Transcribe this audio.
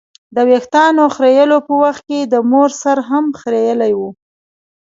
د ویښتانو خریلو په وخت یې د مور سر هم خرېیلی و.